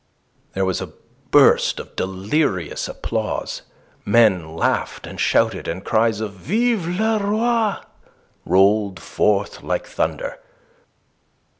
There was a burst of delirious applause. Men laughed and shouted, and cries of "Vive le Roi!" rolled forth like thunder.